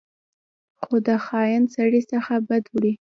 خو د خاین سړي څخه بد وړي.